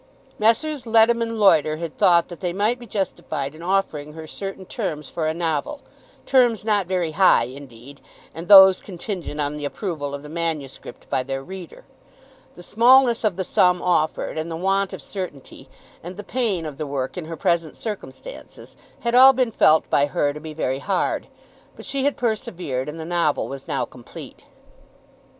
Messrs. Leadham and Loiter had thought that they might be justified in offering her certain terms for a novel, terms not very high indeed, and those contingent on the approval of the manuscript by their reader. The smallness of the sum offered, and the want of certainty, and the pain of the work in her present circumstances, had all been felt by her to be very hard. But she had persevered, and the novel was now complete.